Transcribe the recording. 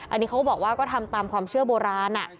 อันนี้เขาก็บอกว่าก็ทำตามความเชื่อโบราณ